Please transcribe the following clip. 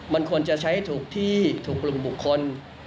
มันควรจะใช้ถูกที่ถูกกลุ่มบุคคล